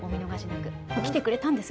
来てくれたんです